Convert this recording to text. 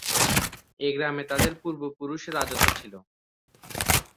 এই গ্রামে তাদের পূর্বপুরুষের রাজত্ব ছিল।